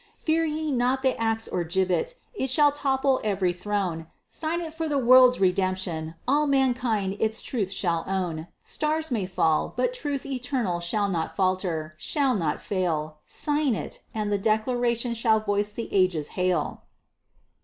Fear ye not the axe or gibbet; it shall topple every throne. Sign it for the world's redemption! all mankind its truth shall own! Stars may fall, but truth eternal shall not falter, shall not fail. Sign it, and the Declaration shall the voice of ages hail.